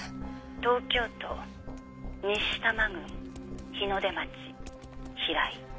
東京都西多摩郡日の出町平井。